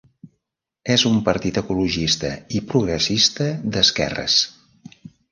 És un partit ecologista i progressista d'esquerres.